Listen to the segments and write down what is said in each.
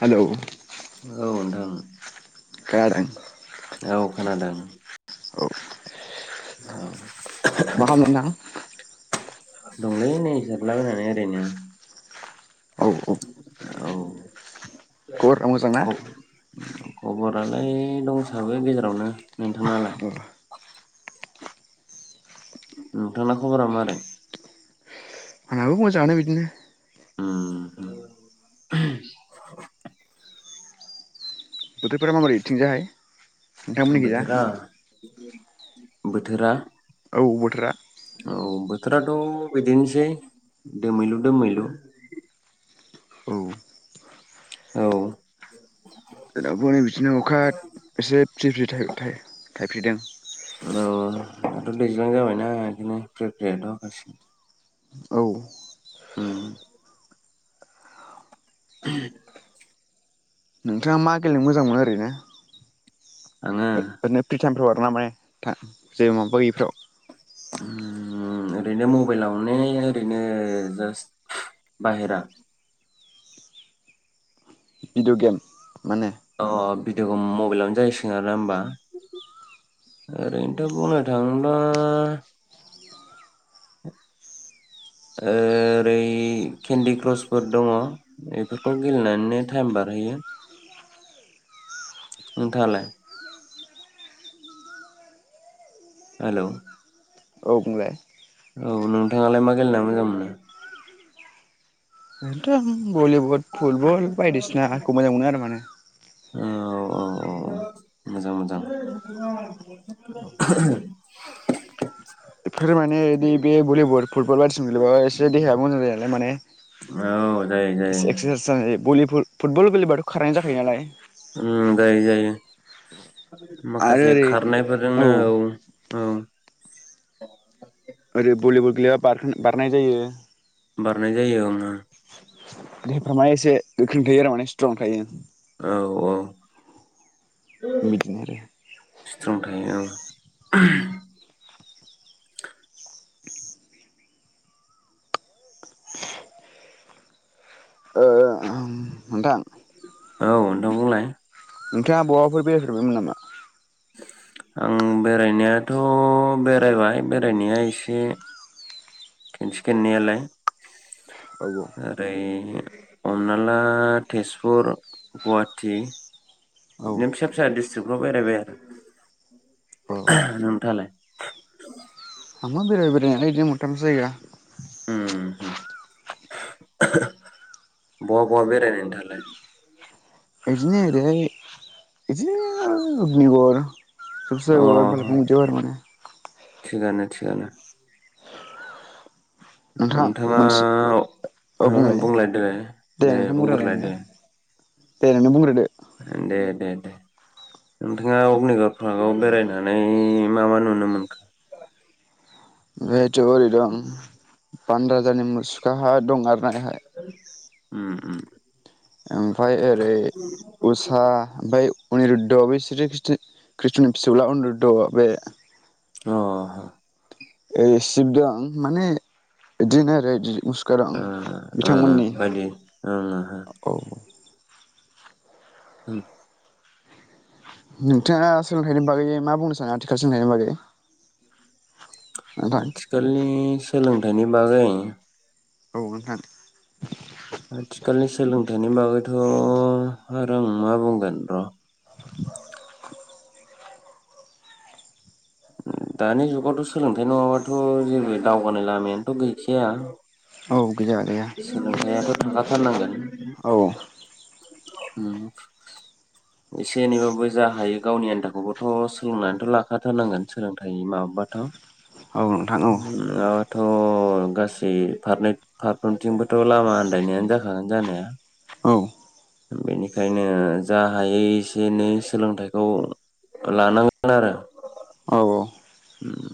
Hello औ नोंथां खोनादों औ खोनादों औ औ बाहा मोनना हा दंलै नै जिरलाबायनानै ओरैनो औ औ औ खबरा मोजां ना ख- खबरालाय दंसाबो गेजेरावनो नोंथांनालाय औ नोंथांना खबरा मारै आंहाबो मोजाङानो बिदिनो उम बोथोरफोरा माबोरै थिंजाहाय नोंथांमोननि खिजा बोथोरा बोथोरा औ बोथोरा [inaudible] थोराथ बिदिनसै दोमैलु दोमैलु औ औ [unintelligible] अखा एसे फ्रि फ्रि थाइ थाइ थायफ्रिदों अ दाथ' दैज्लां जाबायना ओंखायनो फ्रि फ्रियाथ हाखासिगोन औ उम। [unintelligible] नोंथाङा मा गेलेनो मोजां मोनो ओरैनो आङो [unintelligible] [unintelligible] उम ओरैनो मबाइलावनो ओरैनो जास्ट बाहेरा भिडिअ गेम माने अ भिडअग मबाइलावनो जायोय सिगोन आरोना ओमबा ओरैनोथ' बुंनो थाङोब्ला ओ रै केन्दि क्रसफोर दङ एफोरखौ गेलेनानैनो टाइम बारहोयो नोंथांआलाय हेलौ, औ बुंलाय औ नोंथाङालाय मा गेलेना मोजां मोनो [unintelligible] भलिवद फुलबल बायदिसिना खौ मोजां मोनो आरो माने ओ औ औ औ मोजां मोजां बेफोर माने एदि बे भलिबल फुटबल एसे देहाया मोजां जायो। लेन माने [unintelligible] औ जायो जायो [unintelligible] नालाय [inaudible] उ जायो जायो। आरो माखासे ओरै खारनायफोरजोंनो औ ओ ओरै भलिबल गेलेबा बारहोन बारनाय जायो। बारनाय जायो ओं ओं [unintelligible] माएसे गोख्रों थायो आरो माने स्ट्रं थायो। औ-औ बिदिनो आरो सिट्रं थायो ओं ओओ नोंथां औ नोंथां बुंलाय नोंथाङा बहाफोर बेरायफेरबायमोन नामा? आं बेरायनायाथ' बेरायबाय बेरायनाया एसे खेनसे खेननैयालाय औ ओरै हमना ला तेजपुर गुवाहाटी औ [unintelligible] जोबाव बेरायबाय आरो औ नोंथाङालाय [inaudible] थांबा बेराय बेरायनायालाय बिदिनो मोनथामसो जायगा उम बहा बहा बेरायनाय नोंथाङालाय? बिदिनो ओरैहाय बिदिनो अग्निगड़ अ [unintelligible] थिगानो थिगानो नोंथां नोंथाङा मोनसे बुंलाय देलाय दे बुंग्रोलाय दे दे नोंनो बुंग्रोदो दे दे दे नोंथाङा अग्निगड़ पार्कआव बेरायनानै मा मा नुनो मोनखो? ओमफ्राय [unintelligible] बानरा जानि फुजानि मुसुखाहा दं आरोना एहाय उम उम ओमफाय ओरै उसा ओमफाय अनिरुद्र बै स्रि खृष्णनि फिसौला अनिरुद्र बे अ सिब दं माने बिदिनो आरो मुसुखा दं ओ ओ ओ बिथांमोननि बायदि ओं ओहो औ औ औ नोंथाङा सोलोंथाइनि बागै मा बुंनो सानो आथिखाल सोलोंथाइनि बागै? नोंथां आथिखालनि सोलोंथाइ। नि बागै औ नोंथां आथिखालनि सोलोंथाइनि बागैथ' आरो आं मा बुंगोन र' [inaudible] दानि जुगावथ' सोलोंथाइ नङाबाथ' जेबो दावगानाय लामायानोथ' गैखाया औ गैया गैया सोलोंथायाथ' थाखाथारनांगोन औ एसे एनैबाबो जा हायो गावनि आन्थाखौबोथ' सोलोंनानैथ' लाखाथारनांगोन सोलोंथाइनि माबा बाथ' औ नोंथां औ औ थ' गासै फारनै फारफ्रोमथिंबोथ' लामा आन्दायनायानो जाखागोन जानाया औ बेनिखायनो जा हायै एसे एनै सोलोंथाइखौ लानांगोन आरो औ उम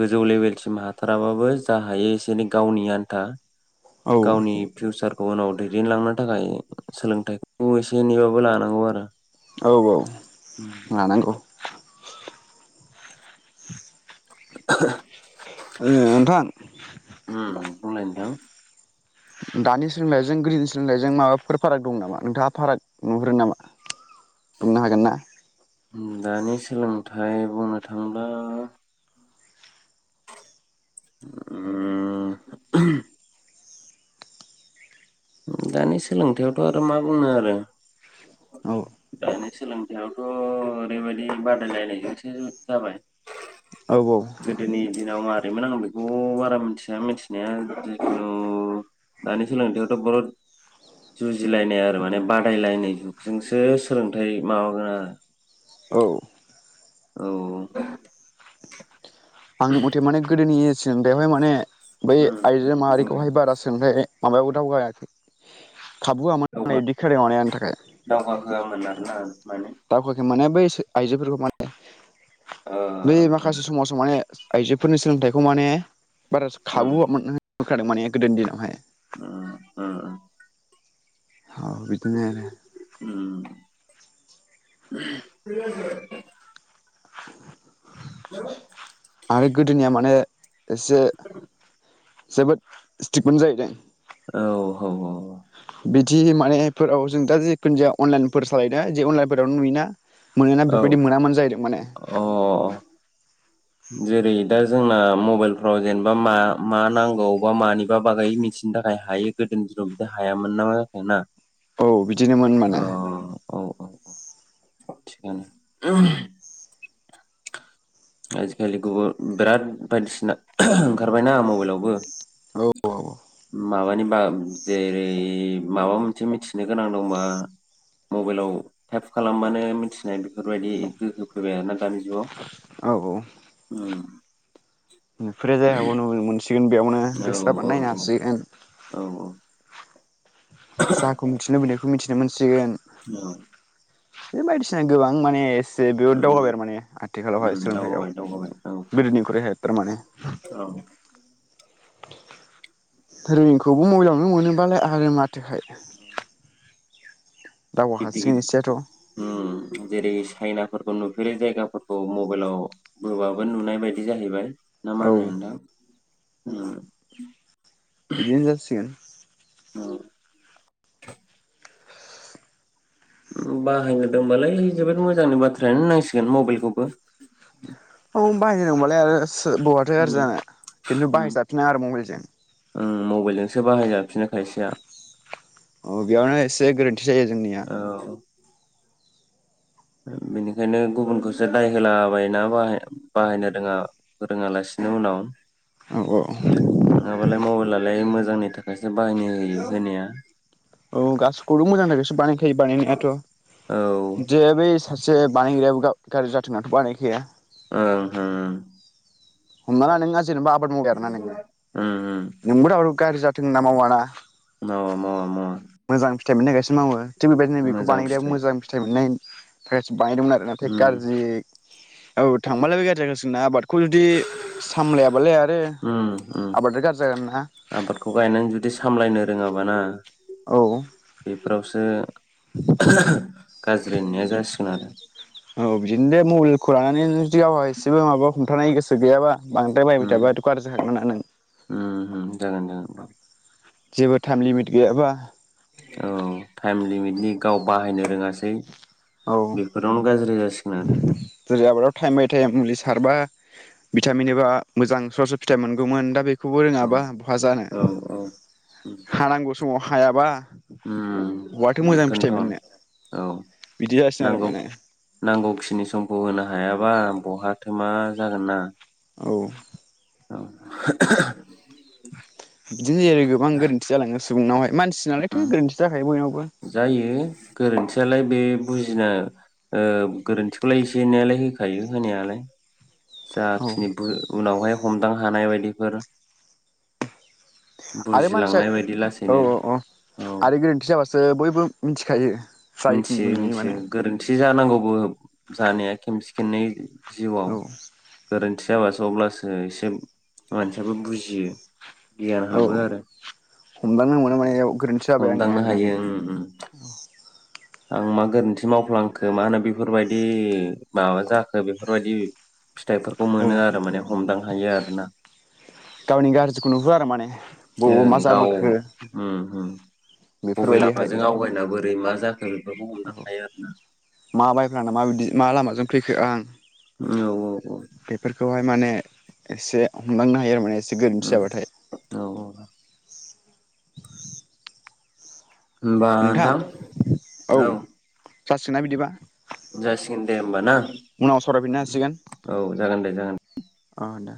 गोजौ लेभेलसिम हाथाराबाबो जा हायो एसे एनै गावनि आन्था औ गावनि फिउसारखौ उनाव दैदेनलांनो थाखाय सोलोंथाइखौ एसे एनैबाबो लानांगौ आरो औ औ लानांगौ [unintelligible] नोंथां ओम बुंनाय नोंथां। दानि सोलोंथाइजों गोदोनि सोलोंथाइजों माबाफोर फाराग दं नामा नोंथाङा फाराग नुहरो नामा बुंनो हागोन ना? दानि सोलोंथाइ बुंनो थाङोब्ला ओम दानि सोलोंथायावथ' आरो मा बुंनो आरो औ दानि सोलोंथायावथ' ओरैबायदि बादायलायनायजोंसो जाबाय। औ औ गोदोनि दिनाव मा [unintelligible] आं बेखौ बारा मिथिया मिथिनाया जिखुनु दानि सोलोंथायाव बहुत जुजिलायनाय आरो माने बादायलायनाय जुगजोंसो सोलोंथाइ माबागोन आरो औ औ आंनि मथे माने गोदोनि जों बेवहाय माने बै उम उम आइजो बुंनाय माहारिखौहाय बारा सोंलोंथाइ। माबायावबो दावगायाखै खाबु होआमोन होननाय दावगा बिदि खोनायाव माने आंनि थाखाय दावगा होयामोन आरोना माने दावखोयाखै माने बै आइजोफोरखौ माने ओ बे माखासे समाव माने आइजोफोरनि सोलोंथाइखौ माने बारा उम खाबु होयामोन। [unintelligible] माने गोदो दिनाव हाय। ओ ओ। औ बिदिनो आरो। उम [unintelligible] आरो गोदो निया माने एसे जोबोद स्ट्रिक मोन जाहैदों। औ औ औ। बिदि माने फोराव जों दा जिखुनु जाया अनलाइन फोर सालायो ना इदि अनलाइनवफोरावनो नुयोना। मोनोना औ बेफोर बायदि मोनामोन जाहैदों मानेड। औ अ जेरै दा जोंना मबाइल फ्राव जेनेबा मा मा नांगौ बा मानिबा बागै मिथिनो थाखाय हायो गोदोनि दिनाव बिदि हाया मोनना मा जाखो ना? औ बिदिनो मोन औ माने। औ थिगानो [unintelligible] आजि खालि गुबुन बिराद बायदि सिना ओंखारवबायना मबाइलावबो औ औ माबानि बा जेरै माबा मोनसे मिथिनो गोनां दंबा मबाइलाव टाइप खालाम बानो मिथिनाय बेफोर बायदि गोहो फैबाय आरोना दानि जुगाव। औ ओम। बेफोरो जाय [unintelligible] बेयावनो औ गोसो जाबा औ नायनो हासिगोन। औ जाखौ मिथिनो लुबै बे मिथिनो मोनसिगोन। औ। बे बायदिसिना गोबां माने जे बेबो दावगाबाय उम, थारमाने आथिखालाव हाय उम, सोलोंथाइ याव दावगाबाय दावगाबाय औ गोदो निख्रुइ हाय थारमाने। औ रिं खौबो मबेलावनो मोनो बालाय आरो मा थोखाय। [unintelligible] ओम जेरै चाइना फोरखौ नुफेरै जायगा फोरखौ मबाइलाव बोबाबो नुनाय बायदि जाहैबाय। ना औ मा होनो नोंथां? [inaudible] बिदिनो जासि गोन। बाहाय होदों बालाय जोबोद मोजांनि बाथ्रायानो होननां सिगोन मबाइल खौबो। औ बाहायनो रोंबालाय आरो सो बहाथो' गाज्रि उम जानो खिन्थु बाहाय जाफिना आरो मबाइलजोंष ओम मबाइल जोंसो बाहाय जाफिनो खायसेआ। औ बेयावनो एसे गोरोन्थि जायो जोंनिया। औ [inaudible] बेनिखायनो गुबुनखौसो दाय होलाबायनााहाय बाहायनो रोङा रोङालासिनो उनाव औ औ [inaudible] नङाबालाय मबाइलालाय मोजांनि थाखायसो बाहायनो होयो होनाया औ गासैखौबो मोजांनि थाखायसो बानायखायो औ बानायनायाथ' जे बे सासे बानायग्रायाबो गाज्रि जाथों होनाथ' बानायखाया हुम हुम हमना ला नोंआ जेनोबा आबाद मावबाय आरो ना नों ओं ओं नोंबो दाव गाज्रि जाथोंना मावाना औ म म म [unintelligible] मावो थिग बेबायदिनो बेखौ बानायग्राया मोजां फिथाइ मोननाय [inaudible] बानायदोंमोन आरो नाथाय उम गाज्रि औ थांबालायबो गाज्रि जागासिनो जोंना आबादखौ जुदि सामलायाबालाय आर उम उन आबादखौ गायनानै जुदि सामलायनो रोङाबाना औ बेफोरावसो गाज्रि होननाया जासिगो गोन आरो औ बिदिनो दे मबे खौ लानानै नों जियाव आयस जेबो माबा हमथानाय गोसो गैयाबा बांद्राय बाहायबाय उम थाबाथ' गाज्रि जाखागोनानो। उम उम [inaudible] जेबो टाइम लिमिट गैयाबा औ टाइम लिमिटनि गाव बाहायनो रोङासै औ बेफोरावनो गाज्रि जासि जेरै आबादाव टाइमबाय टाइम मुलि सारबा भिटामिन होबा मोजां स्र स्र फिथाइ मोनगौमोन दा बे बेखौबो रोङाबा बहा औ जानो औ हानांगौ समाव हायाबा बहाथो उम मोजां फिथाइ बेफोरनोथन। मोननो औ बिदि जासिगोन आरो नांगौ माने नांगौखि खिनि समखौ होनो हायाबा बहाथो मा जागोन ना? औ औ बिदिनो जायो आरो गोबां गोरोन्थि जालाङो। सुबुंनावहाय मानसि नालायथो उम गोरोन्थि जाखायो बयनावबो जायो गोरोन्थियालाय बे बुजिनो ओ गोरोन्थिखौलाय एसे एनैयालाय होखायो होनायालाय। औ जाखिनि बो उनावहाय हमदां हानाय बायदिफोर। आरो मानसिया बुजिलांनाय बायदि औ लासैनो औ औ औ आरो गोरोन्थि जाबासो बयबो मिनथिखायो। मिथियो मिथियो गोरोन्थि जानांगौबो। जानाया खेमसे खेमनै। जिउआव औ गोरोन्थि जाबासो अब्लासो एसे मानसियाबो बुजियो। गियान औ हाबो आरो हमदांनो मोनो माने इयाव गोरोन्थि जाबाय आंनिया हमदांनो होननानै। हायो उम उम आं मा गोरोन्थि मावफ्लांखो मा होनो बेफोरबायदि माबा जाखो बेफोरबायदि। फिथाइफोरखौ औ मोनो आरो माने हमदां हायो आरो। ओना। गावनि गाज्रिखौ नुहोआ आरो माने। बबाव मा ओं गाव जाबोखो उम उम बबे लामाजों आवगायना बोरै मा जाखो बेफोरखौ हमदां औ हायो आरोना मा बायफ्लांखोना बिदि मा लामाजों? फैखो आं। औ औ औ। बेफोरखौहाय माने एसे हमदांना माने एसे गोरोन्थि उम जाबाथाय। औ नोंथां औ जासिगोना बिदिबा? जासिगोन दे होमबाना? उनाव सरायफिननो हासिगोन जागोन दे जागोन अ दे।